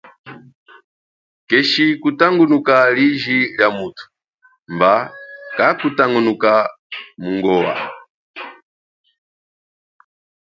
Keshi kutangunuka liji lia muthu, mba kakutangunuka mungowa.